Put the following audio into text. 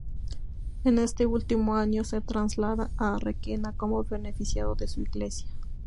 En este último año se traslada a Requena como beneficiado de su iglesia.